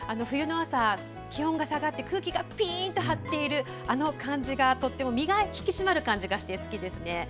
冬の朝、気温が下がって空気がぴんと張っているあの感じがとても身が引き締まる感じがして好きですね。